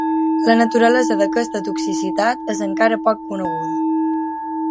La naturalesa d'aquesta toxicitat és encara poc coneguda.